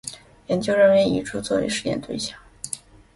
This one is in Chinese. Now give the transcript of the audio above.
研究人员以猪作为实验对象